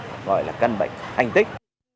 là một căn bệnh gọi là căn bệnh thành tích